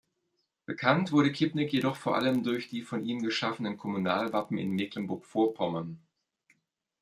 Bekannt wurde Kippnick jedoch vor allem durch die von ihm geschaffenen Kommunalwappen in Mecklenburg-Vorpommern.